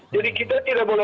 jadi kita tidak boleh